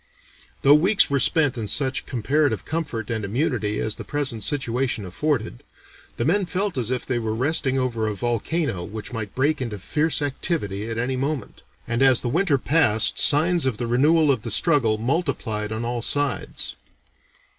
Though weeks were spent in such comparative comfort and immunity as the present situation afforded, the men felt as if they were resting over a volcano which might break into fierce activity at any moment; and as the winter passed signs of the renewal of the struggle multiplied on all sides.